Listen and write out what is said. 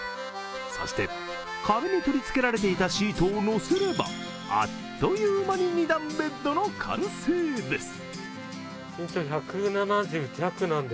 そして、壁に取り付けられていたシートを載せればあっという間に２段ベッドの完成です。